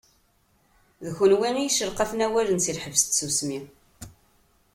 D kunwi i d-yeccelqafen awalen seg lḥebs n tsusmi.